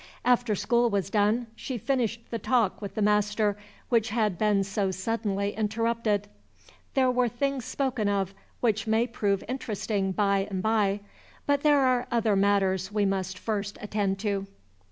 After school was done, she finished the talk with the master which had been so suddenly interrupted. There were things spoken of which may prove interesting by and by, but there are other matters we must first attend to.